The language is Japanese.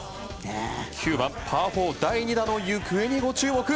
９番、パー４第２打の行方にご注目。